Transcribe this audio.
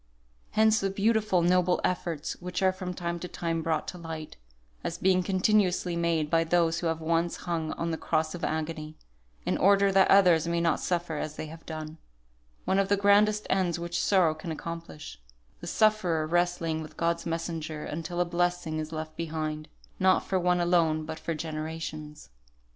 Hence the beautiful, noble efforts which are from time to time brought to light, as being continuously made by those who have once hung on the cross of agony, in order that others may not suffer as they have done; one of the grandest ends which sorrow can accomplish; the sufferer wrestling with God's messenger until a blessing is left behind, not for one alone but for generations.